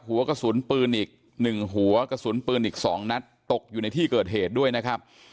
หัวกระสุนปืนอีก๑หัวกระสุนปืนอีก๒นัดตกอยู่ในที่เกิดเหตุด้วยนะครับ